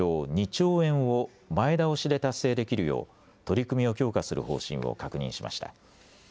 ２兆円を前倒しで達成できるよう取り組みを強化する方針を確認しました。